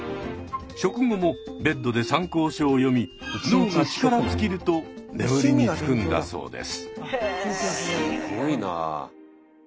食後もベッドで参考書を読み脳が力尽きると眠りにつくんだそうです。